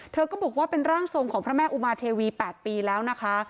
เธอก็บอกว่าเป็นร่างทรงของพระแม่อุมาเทวี๘ปีแล้วนะคะ